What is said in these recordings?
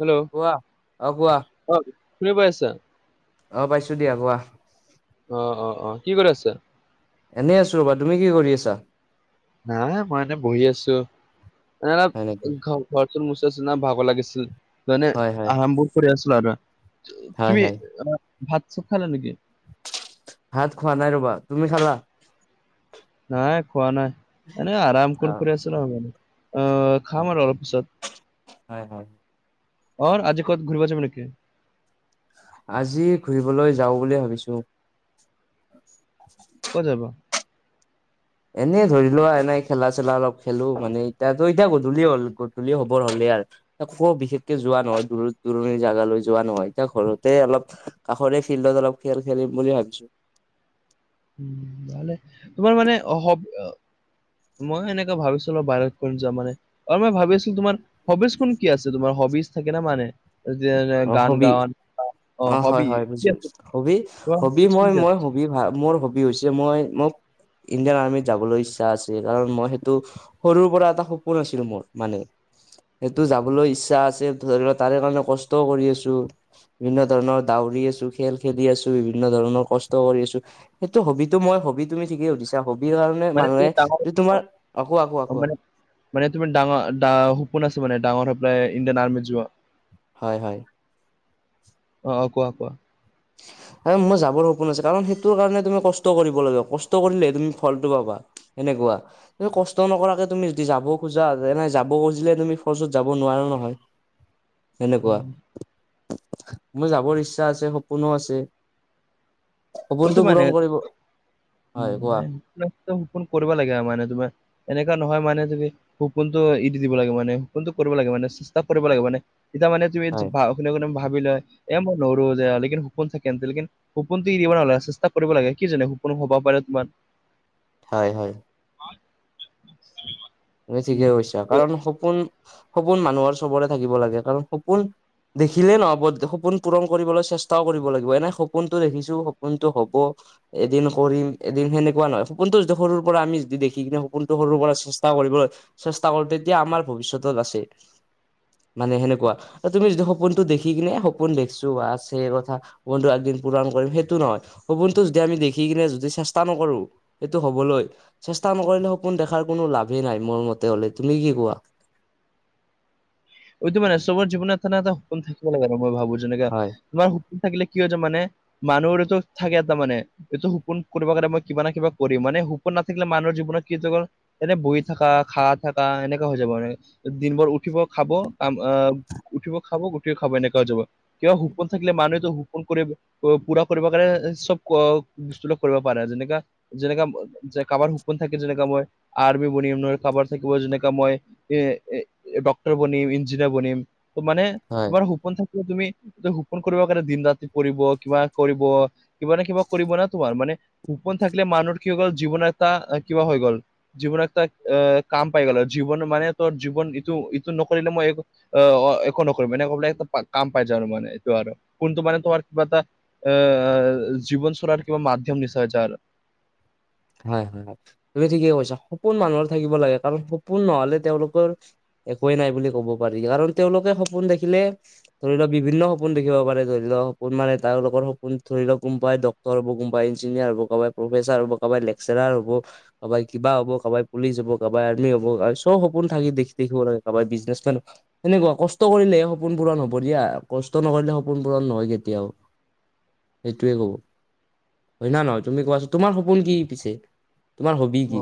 Hello কোৱা অ কোৱা অ শুনি পাইছা অ পাইছোঁ দিয়া কোৱা অ অ অ কি কৰি আছ এনেই আছো ৰ'বা তুমি কি কৰি আছা নাই মই এনেই বহি আছো এনেকা হয় নেকি ঘৰ ঘৰটো মুচ আছিলো না ভাগৰ লাগিছিল জয়নে হয় হয় আৰামবোৰ কৰি আছিলো আৰু হয় তুমি হয় ভাত চাত খালা নেকি ভাত খোৱা নাই ৰবা তুমি খালা নাই খোৱা নাই, এনেই আৰাম অ কন কৰি আছিলো আমি এনি অ খাম আৰু অলপ হয় হয় পিছত অ আজি ক'ত ঘূৰিব যাব নেকি আজি ঘুৰিবলৈ যাও বুলিয়ে ভাবিছো কত যাব এনেই ধৰিলোৱা এনেই খেলা চেলা অলপ খেলো মানে এতিয়াতো এতিয়া গধূলি হল গধূলি হবৰ হ'লেই আৰ একো বিশেষকে যোৱা নহয় দূৰ দূৰণিৰ জাগালৈ যোৱা নহয় এতিয়া ঘৰতে অলপ কাষৰে ফিল্ডত অলপ খেল খেলিম বুলি ভাবিছো উম ভালে তোমাৰ মানে মই সেনেকা ভাবিছোলো বাহিৰত ফুৰিম যাম মানে আৰু মই ভাবি আছিলো তোমাৰ হবিচ খন কি আছে তোমাৰ হবিজ থাকে না মানে এই যে যে অ গান হবি গাওঁ অ হয় হয় বুজি পাইছো হবি তোমাৰ হবি হবিজ মই কোনটো মই আছে হবি হবি হা মোৰ হবি হৈছে মই মোক ইণ্ডিয়ান আৰ্মিত যাবলৈ ইচ্ছা আছে কাৰণ মই সেইটো সৰুৰ পৰা এটা সপোন আছিল মোৰ মানে সেইটো যাবলৈ ইচ্ছা আছে ধৰি লোৱা তাৰে কাৰণে কষ্টও কৰি আছো বিভিন্ন ধৰণৰ দাউৰি আছো খেল খেলি আছো বিভিন্ন ধৰণৰ কষ্ট কৰি আছো সেইটো হবিতো মই হবি তুমি ঠিকেই সুধিছা হবিৰ কাৰণে মানে তুমি মানুহে ডাঙৰ যে অ তোমাৰ কোৱা কোৱা অ কোৱা মানে মানে তুমি ডাঙৰ - দা সপোন আছে মানে ডাঙৰ হৈ পেলাই ইণ্ডিয়ান আৰ্মিত যোৱা হয় হয় অ অ কোৱা কোৱা [inaudible] এ মোৰ যাবৰ সপোন আছে কাৰণ সেইটোৰ কাৰণে তুমি কষ্ট কৰিব লাগে কষ্ট কৰিলেহে তুমি ফলটো পাবা এনেকুৱা তুমি কষ্ট নকৰাকে তুমি যদি যাব খোজা যাব এনেই খুজিলে তুমি ফৌজত যাব নোৱাৰা নহয় সেনেকুৱা উম, মোৰ যাবৰ ইচ্ছা আছে সপোনো আছে এইটো সপোনটো মানে পূৰণ কৰিব উম, হয় কোৱা [inaudible] সপোন কৰিব লাগে আৰু মানে তোমাৰ এনেকুৱা নহয় মানে তুমি সপোনতো এৰি দিব লাগে মানে সপোনতো কৰিব লাগে মানে চেষ্টা কৰিব লাগে মানে এতিয়া মানে তুমি যে হয় ভা শুনে কোনে ভাবি লয় এ মই নৰো যে লেকিন সপোন থাকেন লেকিন সপোন টি শিকিব নেলাগে চেষ্টা কৰিব লাগে কি জানে কোন হব পাৰে তোমাৰ হয় হয় [unintelligible] তুমি ঠিকে কৈছা ত কাৰণ সপোন সপোন মানুহৰ চবৰে থাকিব লাগে কাৰণ সপোন দেখিলেই নহ'ব সপোন পূৰণ কৰিবলে চেষ্টাও কৰিব লাগিব এনে সপোনটো দেখিছো সপোনটো হব এদিন কৰিম এদিন সেনেকুৱা নহয় সপোনটো যদি সৰুৰ পৰা আমি যদি দেখি কিনে সুপোনটো সৰুৰ পৰা চে ষ্টা কৰিবলৈ চেষ্টা কৰো তেতিয়া আমাৰ ভৱিষ্যতত আছে মানে সেনেকুৱা তুমি যি সপোনতো দেখি কিনে সপোন দেখিছো বা আছে কথা সপোনটো একদিন পূৰণ কৰিম সেইটো নহয় সপোনটো যেতিয়া আমি দেখি কিনে যদি চেষ্টা নকৰো এইটো হবলৈ চেষ্টা নকৰিলে সপোন দেখাৰ কোনো লাভেই নাই মোৰ মতে হলে তুমি কি কোৱা সয়টো মানে চবৰ জীৱনত এটা এটা সপোন থাকিব লাগে আৰু মই ভাবো যেনেকা হয় তোমাৰ সপোন থাকিলে কি হয় যে মানে মানুহ সৰেতো থাকে তাৰ মানে এইটো সপোন কৰিবৰ কাৰণ মই কিবা নহয় কিবা কৰিম মানে সপোন নাথাকিলে মানুহৰ জীৱনত কেতিয়াবা এনে বহি থাকা খা থাকা এনেকা হৈ যাব মনে দিন বোৰ উঠিব খাব আম আহ উঠিব খাব গোটেই খাব এনেকা হৈ যাব কিবা সপোন থাকিলে মানুহেতো হুপন কৰিব প পুৰা কৰিব কাৰণে চব বস্তৰে কৰিব পাৰে যেনেকা যেনেকা কাৰবাৰ হসপোণ থাকে যেনেকা মই আৰ্মি বনিম নহয় কাবাৰ থাকিব যেনেকা মই এ ডক্টৰ ক্টৰ বনিম, ইঞ্জিনিয়াৰ বনিম মানে হয়। তোমাৰ সপোন থাক কিন্তু তুমি সোপোন কৰিব কাৰণে দিন ৰাতি পৰিব কিবা কৰিব কিবা নে কিবা কৰিব না তোমাৰ মানে সপোণ থাকিলে মানুহৰ কি হৈ গল জীৱনৰ এটা কিবা হৈ গল জীৱনত একটা এহ কাম পাই গ'ল আৰু জীৱন মানে তোৰ জীৱন যিটো ইটো নকৰিলে মই অ অ একো নকৰিম অনেকে কৈ পেলাই কাম পাই যাম আৰু মানে এইটো আৰু কোনটো মানে তোমাৰ কিবা এটা এ জীৱন চৰাৰ কিবা মাধ্যম বিচাৰে যাৰ হয় হয় হয় তুমি ঠিকে কৈছা সপোন মানুহৰ থাকিব লাগে কাৰণ সপোন নহলে তেওঁলোকৰ একোৱেই নাই বুলি ক'ব পাৰি কাৰণ তেওঁলোকে সপোন দেখিলে ধৰি ল বিভিন্ন সপোন দেখিব পাৰে ধৰি লওক সপোন মানে তাৰোলগৰ সপোন ধৰি লওক কোনবাই ড ক্তৰ, কোনবাই ইঞ্জিনিয়াৰ হব, কাৰোবাই প্ৰফেচাৰ হব, কাৰোবাই লেকচাৰাৰ হ'ব কাবাই কিবা হ'ব, কাবাই পুলিচ হব, কাবাই আৰ্মি হব আৰু চব সপোন থাকি দেখি থাকিব লাগে কাবাই বিজনেছমেন তেনেকুৱা কষ্ট কৰিলেহে সপোন পূৰণ হব দিয়া কষ্ট নকৰিলে সপোন পূৰণ নহয় কেতিয়াও সেইটোৱে কব হয় না নহয় তুমি কোৱাচোন তোমাৰ সপোন কি পিছে তোমাৰ হবি অ কি?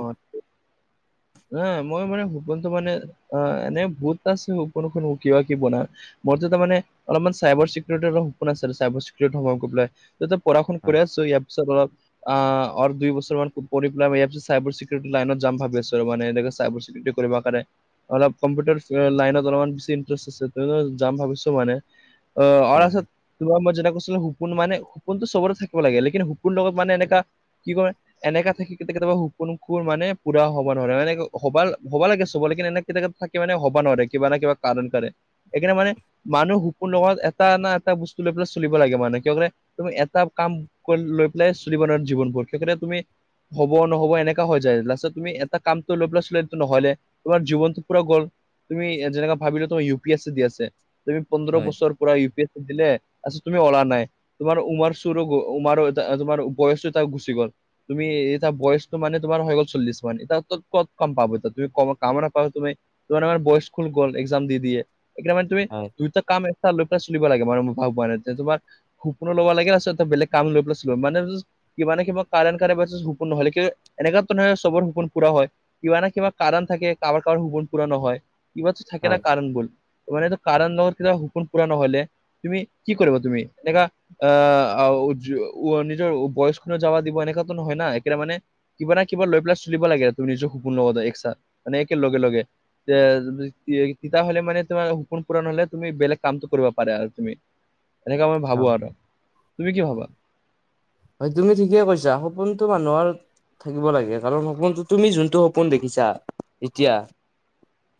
নাই মই মানে সপোণটো মানে অ এনে বহুত আছে সপোণ খন কিবা কি বনা বস্তু তাৰমানে অলপমান চাইবাৰ চিকিউৰিটিৰ সপোন আছিল চাইবাৰ চিকিউৰিটি সময় গৈ পেলাই তাতে পঢা শুন কৰি হয় আছোঁ ইয়াৰ পিছত অলপ আ অৰ দুই বছৰ মান পঢ়ি পেলাই ইয়াৰ পিছ চাইবাৰ চিকিউৰিট লাইনত যাম ভাবি আছো আৰু মানে এনেকৈ চাইবাৰ চিকিউৰিটি কৰিব কাৰনে অলপ কম্পিউটাৰ লাইনত অলপমান চিম ইণ্টাৰেষ্ট আছে যাম ভাবিছো মানে অ হয় ৰাচত তোমাৰ মই যেনে কৈছিলো সুপোন মানে সপোনটো চবৰে থাকিব লাগে লেকিন সপোণ লগত মানে এনেকা কি কৰে এনেকা থকি কে কেতিয়াবা শু কোন কোন মানে পুৰা হ'ব নোৱাৰে মানে হব হব লাগে চব লকে এনেকগাত থাকে মানে হব নোৱাৰে কিবা নহয় কিবা কাদন কাৰে সেইকাৰণে মানে মানুহ সুকো লগত এটা না এটা বস্তু লৈ পেলাই চলিব লাগে মানুহ কিয় কলে তুমি এটা কাম কৰি লৈ পেলাই চ্ৰী বানৰ জীৱনবোৰ সেইতে তুমি হব নহব এনেক এনেকুৱা হৈ যায়। লাষ্টত তুমি এটা কামটো লৈ পেলাই, নহ'লে। তোমাৰ জীৱনটো পূৰা গৰ তুমি যেনেকা ভাবিলা তোমাৰ! ইউ পি এছি দি আছে, তুমি পোন্ধৰ বছৰ পূৰা ইউ পি এছ দিলে, পাছত তুমি ওলোৱা নাই। তোমাৰ উমাৰ চুৰো, উমাৰো তোমাৰ, বয়সো তাত গুচি গ'ল, তুমি এতিয়া বয়স, মানে, তোমাৰ হৈ গ'ল চল্লিশ মান, এতিয়া ক'ত কম পাব এতিয়া তুমি, কম কাম নাপাবা তুমি। তোমাৰ মানে বয়স খুল গ'ল, এক্সাম দি দিয়ে, এইকিটা মানে তুমি, হয় দুইটা কাম [unintelligible] লৈ পেলাই চলিব লাগে [unintelligible] পোৱা নাই যে তোমাৰ। সপোনো ল'ব লাগে, আচলতে, বেলেগ কাম লৈ পেলাই চলোঁ। [unintelligible] কি মানে কিবা, [unintelligible] নহ'লে। কিন্তু, এনেকাতো নহয়, চবৰ সপোন পূৰা হয়, কিবা না কিবা কাৰণ থাকে, কাৰোবাৰ-কাৰোবাৰ সপোন পূৰা নহয়। কিবা এটা থাকে ন' হয় কাৰণবোৰ, মানে এইটো কাৰণ [unintelligible] সপোন পূৰা নহ'লে। তুমি কি কৰিবা তুমি, দেখা? অ'! আৰু নিজৰ বয়স [unintelligible] যাৱ দিব, এনেকটো নহয় নাম। একেইটা মানে, কিবা না কিবা লৈ পেলাই, চলিব লাগে আৰু। তোৰ নিজৰ সপোন লগতে এক্সাত, মানে একে লগে-লগে। এতিয়া যদি, কি হয়, তেতিয়াহ'লে মানে তোমাৰ, সপোন পূণৰ হ'লে, তুমি বেলেগ কামটো কৰিব পাৰে আৰু তুমি। এনেকা মই ভাবো হয় আৰু! তুমি কি ভাবা? হয়, তুমি ঠিকে কৈছা! সপোনটো মানুহৰ থাকিব লাগে। কাৰণ সপোনটো, তুমি যোনটো সপোন দেখিছা, এতিয়া।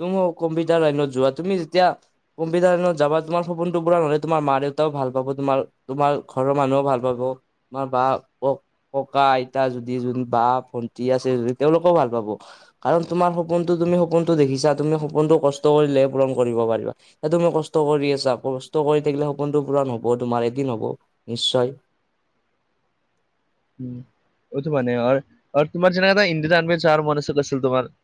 তুমি কম্পিউটাৰ লাইনত যোৱা, তুমি যেতিয়া, কম্পিতাৰ লাইনত যাবা! তোমাৰ সপোনটো পূৰণ হ'লে, তোমাৰ মা-দেউতাও ভাল পাব, তোমাৰ। তোমাৰ, ঘৰৰ মানুহো ভাল পাব। তোমাৰ বা, ককা-আইতা যদি, যোন বা ভন্টি আছে যদি, তেওঁলোকেও ভাল পাব। কাৰণ, তোমাৰ সপোনটো তুমি সপোনটো দেখিছা! তুমি সপোনটো কষ্ট কৰিলেহে, পূৰণ কৰিব পাৰিবা। এ, তুমি কষ্ট কৰি আছা! কষ্ট কৰি থাকিলে, সপোনটো পূৰণ হ'ব তোমাৰ, এদিন হ'ব নিশ্চয়। উম, এইটো মানে, হয়! আৰু তোমাৰ যেনেকা, এটা ইণ্ডিয়ন আৰ্মি চাৰ, [unintelligible] আছিল তোমাৰ।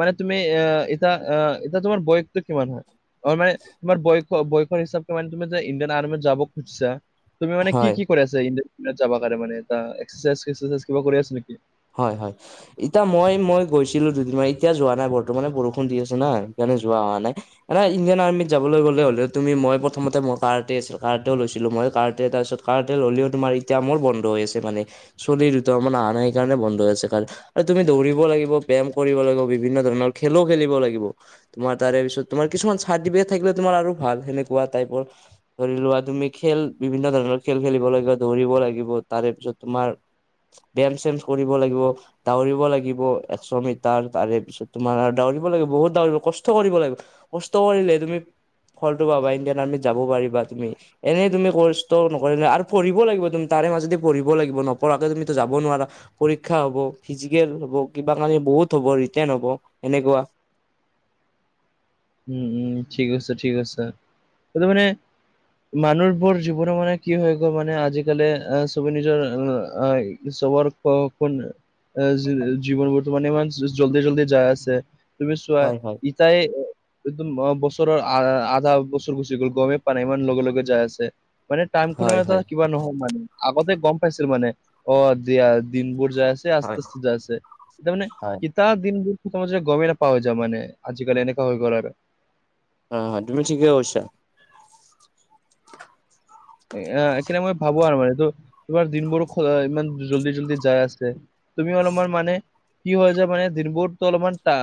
মানে তুমি, আঁ এতিয়া, আঁ এতিয়া তোমাৰ, বয়সটো কিমান হয়? মই মানে, তোমাৰ বয়স, বয়সৰ হিচাপে মানে, তুমি যে ইণ্ডিয়ান আৰ্মিত যাব খুজিছা। তুমি মানে, কি হয় কি কৰি আছা ইণ্ডিয়ান আৰ্মিত যাব কাৰণে মানে, [unintelligible] এক্সাৰচাইজ-চেক্সেৰচাইজ কিবা কৰি আছা নেকি? হয়, হয়! এতিয়া মই, মই গৈছিলোঁ দুদিনমান। এতিয়া যোৱা নাই, বৰ্তমানে বৰষুণ দি আছে না, সেইকাৰণে যোৱা হোৱা নাই। এনে ইণ্ডিয়ান আৰ্মিত যাবলৈ গ'লে হ'লে, তুমি মই প্ৰথমতে মই, কাৰ্টে লৈছিলোঁ মই, কাৰ্টে। তাৰপিছত, কাৰ্টে ল'লেও তোমাৰ, এতিয়া মোৰ বন্ধ হৈ আছে মানে। চোৱালী দুটামান অহা নাই, সেইকাৰণে বন্ধ আছে। কাৰণ, আৰু তুমি দৌৰিব লাগিব, ব্যায়াম কৰিব লাগিব, বিভিন্ন ধৰণৰ খেলোঁ, খেলিব লাগিব। তোমাৰ তাৰেপিছত, তোমাৰ কিছুমান চাৰ্টিফিকেট থাকিলে, তোমাৰ আৰু ভাল! সেনেকুৱা টাইপৰ। ধৰি লোৱা, তুমি খেল, বিভিন্ন ধৰণৰ খেল খেলিব লাগিব, ধৰিব লাগিব। তাৰেপিছত, তোমাৰ ব্যায়াম-চ্যায়াম কৰিব লাগিব। দৌৰিব লাগিব, এশ মিটাৰ। তাৰেপিছত, তোমাৰ দৌৰিব লাগিব, বহুত দৌৰিব, কষ্ট কৰিব লাগিব। কষ্ট কৰিলে তুমি, ফলটো পাবা! ইণ্ডিয়ান আৰ্মিত যাব পাৰিবা তুমি। এনেই তুমি কষ্ট নকৰিলে, আৰু পঢ়িব লাগিব, তুমি, তাৰে মাজতে পঢ়িব লাগিব, নপঢ়াকে তুমিতো যাব নোৱাৰা? পৰীক্ষা হ'ব, ফিজিকেল হ'ব, কিবা কাৰণে বহুত হ'ব, ৰিটেণ হ'ব, এনেকুৱা। উম, উম, ঠিক আছে, ঠিক আছে। কিন্তু মানে, মানুহবোৰ জীৱন মানে, কি হৈ গ'ল মানে আজিকালি! চবে নিজৰ চবৰ [unintelligible] জীৱন বৰ্তমানে ইমান জলদি- জলদি যায়, আছে! তুমি চোৱা! হয় হয় [unintelligible] একদম [unintelligible] বছৰৰ, আ আধা বছৰ গুচি গ'ল, গমেই পোৱা নাই, ইমান লগে-লগে যাই আছে। মানে টাইম খনৰ হয় এটা হয় কিবা নহম মানে আগতে গম পাইছিল মানে অ দিয়া দিনবোৰ যাই আছে আস্তে হয় আস্তে যাই আছে তামানে হয় কেতিয়া দিনবোৰ গমে নাপাওঁ যে মানে আজিকালি এনেকে হৈ গ'ল আৰু অ হয় তুমি ঠিকে কৈছা এ এইখিনি সময় ভাবো আৰু মানে তো তোমাৰ দিনবোৰ ইমান জল্দি জল্দি যায় আছে তুমিও অলপমান মানে কি হয় যে মানে দিনবোৰতো অলপমান তা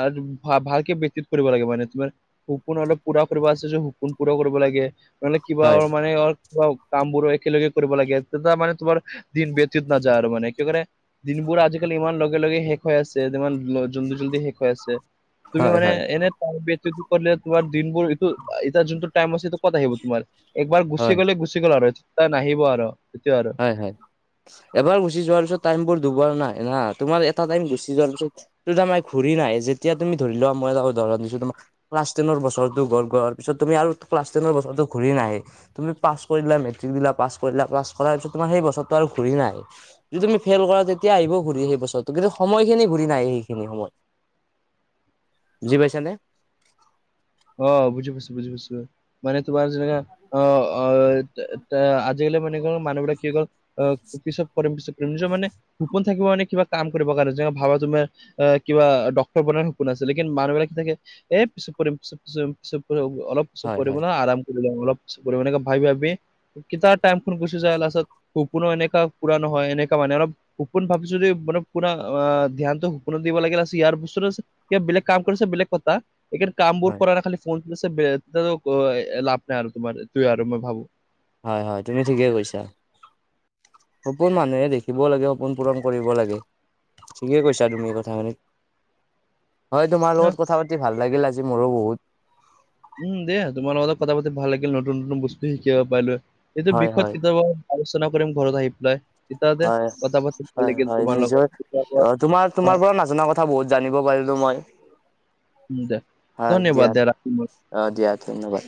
ভালকে পেকটিচ কৰিব লাগে মানে তোমাৰ সপোন অলপ পূৰা কৰিব আছে সপোন পূৰা কৰিব লাগে নহলে কিবা হয় অ মানে অ অলপ কাম বোৰো একেলগে কৰিব লাগে তেতিয়া মানে তোমাৰ দিন ব্যতিত নাযায় আৰু মানে কি কৰে দিনবোৰ আজিকালি ইমান লগে লগে শেষ হৈ আছে ইমান জল্দি জল্দি শেষ হৈ আছে তুমি হয় মানে হয় এনে তাৰ ব্যতি কৰিলে তোমাৰ দিনবোৰ এইটো এতিয়া যোনটো টাইম আছে ক'ত আহিব তোমাৰ একবাৰ গুচি হয় গ'লে গুচি গল আৰু নাহিব আৰু সেইটোৱে আৰু হয় হয় এবাৰ গুচি যোৱাৰ পিছত টাইমবোৰ দুবাৰ নাহে না তোমাৰ এটা টাইম গুচি যোৱাৰ পিছত ত তাৰমানে ঘূৰি নাহে যেতিয়া তুমি ধৰি ল মই এটা ধৰণ দিছো তোমাক ক্লাছ টেনৰ বছৰতো গল যোৱাৰ পিছত তুমি আৰু ক্লাছ টেনৰ বছৰতো ঘূৰি নাহে তুমি পাছ কৰিলা মেট্ৰিক দিলা পাছ কৰিলা পাছ কৰাৰ পিছত তোমাৰ সেই বছৰতো আৰু ঘূৰি নাহে যদি তুমি ফেইল কৰা তেতিয়া আহিব ঘূৰি সেই বছৰটো কিন্তু সময়খিনি ঘূৰি নাহে সেইখিনি সময় বোজি পাইছা নে অ বুজি পাইছো বুজি পাইছো মানে তোমাৰ যেনেকা অ অ আজিকালি মানে কি হল মানুহবিলাক কি কল অ পিছত কৰিম পিছত কৰিম নিজৰ মানে গুপন থাকিব মানে কিবা কাম কৰিবৰ কাৰণে যেনে ভাবা তোমাৰ আহ কিবা ডক্তৰ বনোৱাৰ সপোন আছিলে কিন্তু মানুহবিলাকে কৈ থাকে এ পিছত কৰিম পিছত কৰিম পিছত কৰিম অলপ পিছত হয় কৰিম হয় না আৰাম কৰি অলপ পিছত কৰিম এনেকা ভাবি ভাবি কেতিয়া টাইমখন গুচি যায় লাষ্টত সপনো এনেকা পূৰা নহয় এনেকা মানে অলপ সপোন ভাবিছো দেই মানে পুৰা আ ধ্যানটো সপোনত দিব লাগে লাষ্ট ইয়াৰ পিছত এতিয়া বেলেগ কাম কৰিছা বেলেগ কথা এতিয়া কাম বোৰ হয় কৰা খালি ফনো চেভ বেতাৰ অ লাভ নাই আৰু তোমাৰ এইটোৱে আৰু মই ভাবো হয় হয় তুমি ঠিকে কৈছা সপোন মানুহে দেখিব লাগে সপোন পূৰণ কৰিব লাগে ঠিকে কৈছা তুমি এই কথাখিনি হয় তোমাৰ লগত কথা পাতি ভাল লাগিল আজি মোৰো বহুত উম দে তোমাৰ লগত কথা পাতি ভাল লাগিল নতুন নতুন বস্তু শিকিব পাৰিলো এইটো হয় হয় বিষয়ত কেতিয়াবা আলোচনা কৰিম ঘৰত আহি পেলাই তেতিয়াতে হয় কথা পাতি ভাল হয় লাগিল হয় তোমাৰ লগত। নিজৰ তোমাৰ তোমাৰ পৰা নাজানো কথা কথা বহুত জানিব পাৰিলো মই উ দে ধন্যবাদ দিয়া ৰাখা অ দিয়া দিয়া ধন্যবাদ